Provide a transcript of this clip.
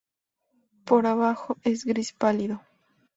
Por abajo es gris pálido.